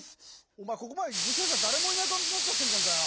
おまえここまでじゅ賞しゃだれもいないかんじになっちゃってんじゃんかよ！